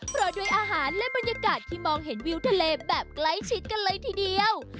เพราะด้วยอาหารและบรรยากาศที่มองเห็นวิวทะเลแบบใกล้ชิดกันเลยทีเดียว